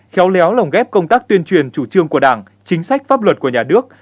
khéo léo lồng ghép công tác tuyên truyền chủ trương của đảng chính sách pháp luật của nhà nước